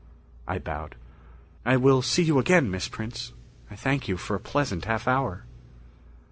I bowed. "I will see you again, Miss Prince. I thank you for a pleasant half hour."